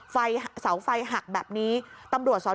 ไฟสาวไฟหักแบบนี้ตำรวจส